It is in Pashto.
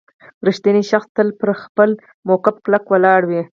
• رښتینی شخص تل پر خپل موقف کلک ولاړ وي.